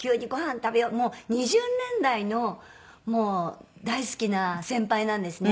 もう２０年来の大好きな先輩なんですね。